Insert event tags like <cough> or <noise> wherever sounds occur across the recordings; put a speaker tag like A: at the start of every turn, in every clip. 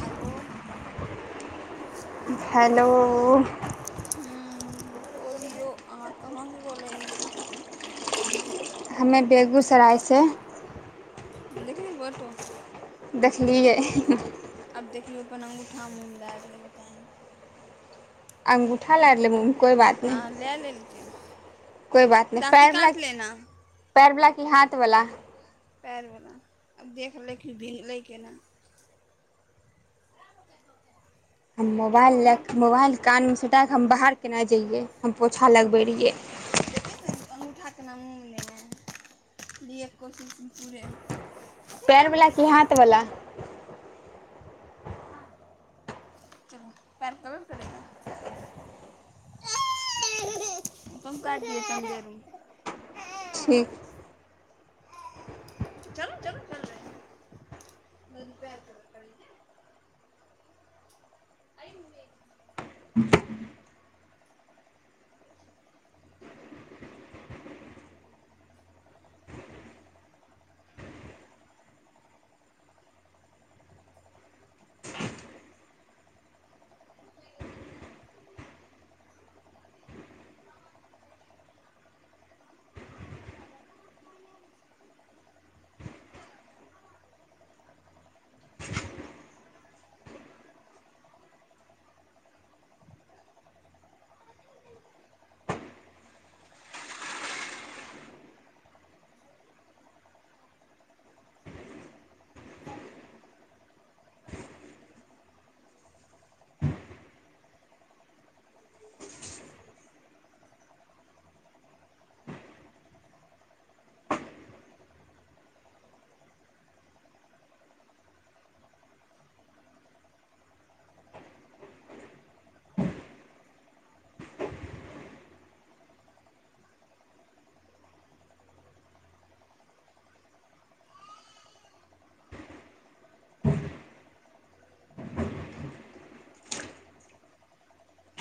A: हालो
B: hello
A: बोलियौ अहाँ कहाँसँ बोलै हियै
B: हमे बेगूसरायसँ
A: देखलियब ऑटो
B: देखलियै
A: आब देखियौ अपन अङ्गूठााम उमराए रहलै बता
B: अंगगुठा लारलै मम
A: हँ लए लेलकै
B: कोइ बात
A: दाँती काटि लेना
B: की हाथवला
A: पएरवला आब देख लेलै कि भीगलै केना
B: हम
A: क्या हुआ
B: मोबाइल ले
A: मम्मी
B: मोबाइल कान मे तक हम बाहर केना जइये हम पोछा लगबे रहियै य
A: लेकिन अङ्गूठाक केना मँग नहि हइ लियैके कोशिश पूरे काम
B: पैरवला की हाथवला
A: देगा। चल प क बे करेगू
B: ठीक
A: चलू चलू च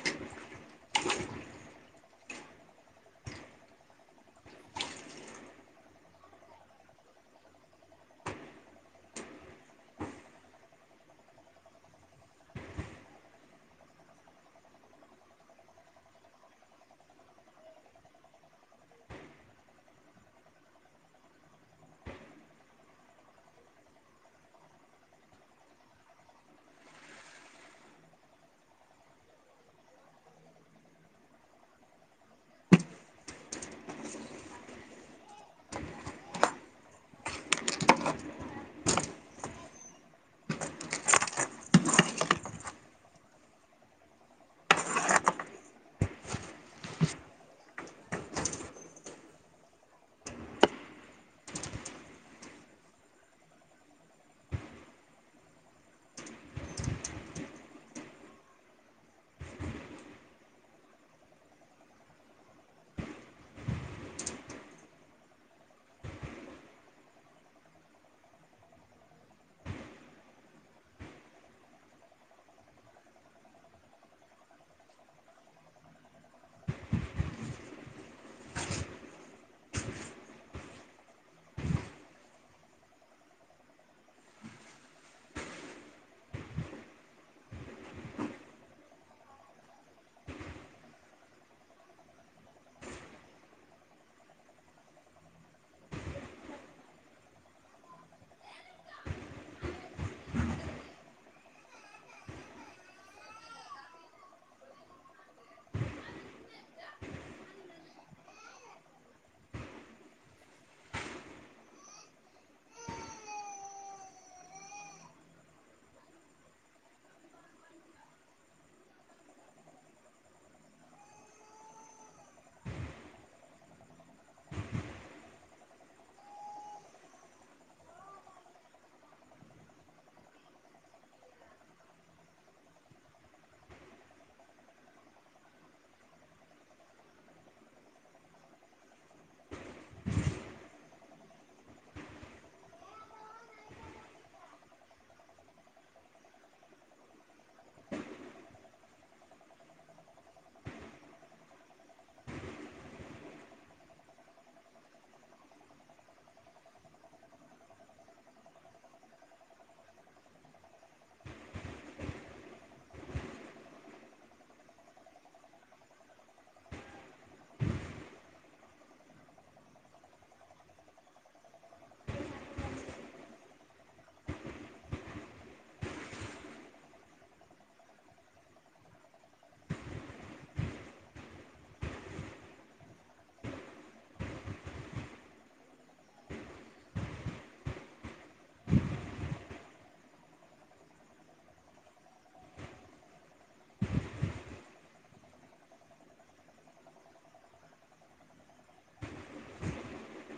B: <unintelligible> ह <unintelligible> <unintelligible>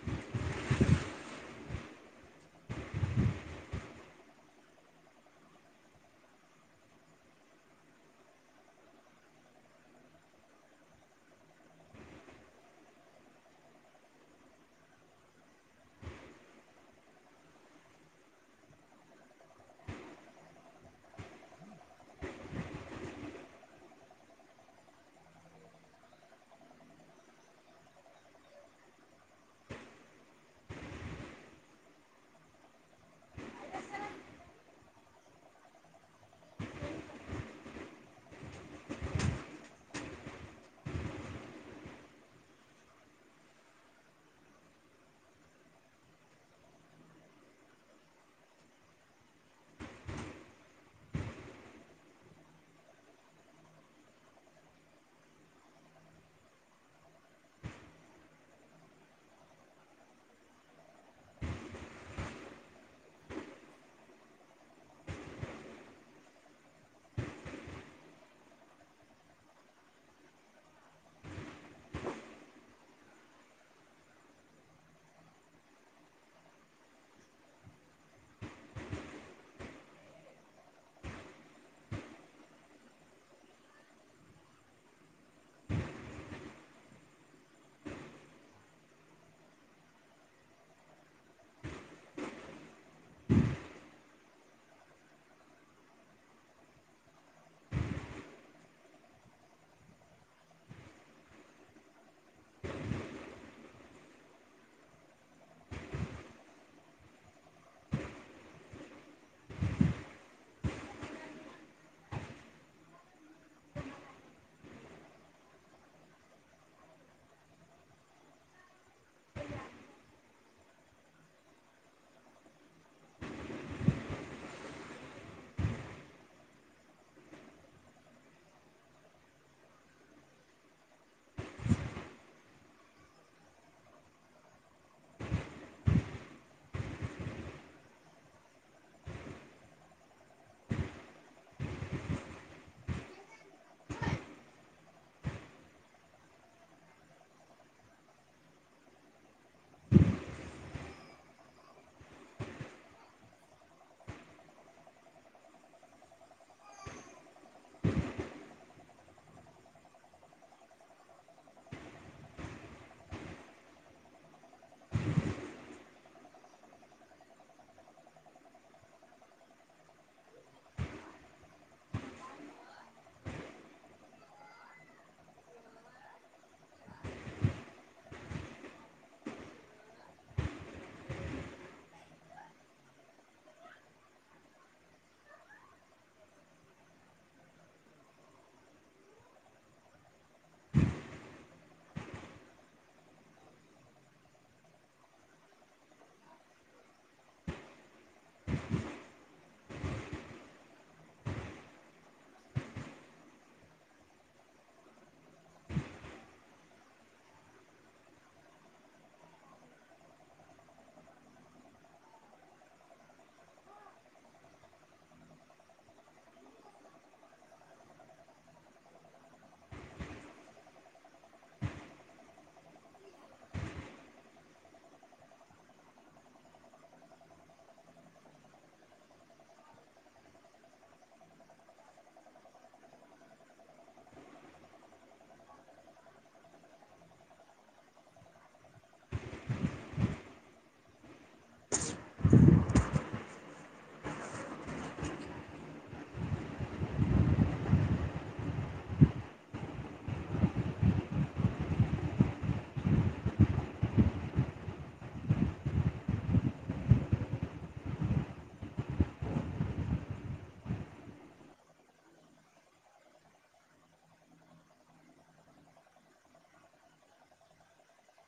B: <unintelligible> <inaudible> <inaudible> <inaudible>